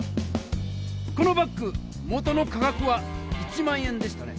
このバッグ元の価格は１００００円でしたね？